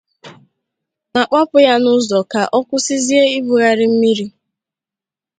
ma kpọpụ ya n'ụzọ ka ọ kwụsịzie ibugharị mmiri.